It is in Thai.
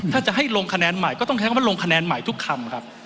ถ้าจะให้ลงคะแนนใหม่ก็ต้องใช้คำว่าลงคะแนนใหม่ทุกคำครับ